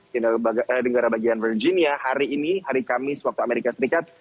di negara bagian virginia hari ini hari kamis waktu amerika serikat